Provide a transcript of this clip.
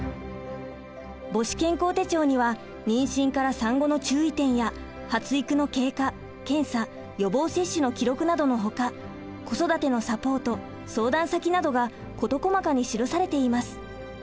母子健康手帳には妊娠から産後の注意点や発育の経過検査予防接種の記録などのほか子育てのサポート・相談先などが事細かに記されています。